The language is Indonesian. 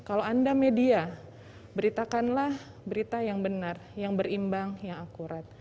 kalau anda media beritakanlah berita yang benar yang berimbang yang akurat